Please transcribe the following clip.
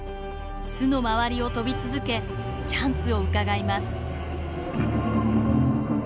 巣の周りを飛び続けチャンスをうかがいます。